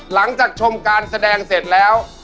หลังจากชมการแสดงเสร็จแล้ว